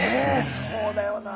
そうだよな。